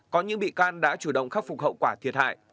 có những bị can đã chủ động khắc phục hậu quả thiệt hại